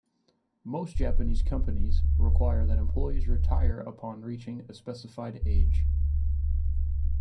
Most Japanese companies require that employees retire upon reaching a specified age.